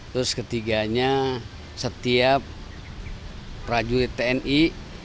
terus ketiganya setiap prajurit tni